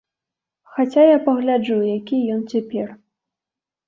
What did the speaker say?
Хаця я пагляджу, які ён цяпер.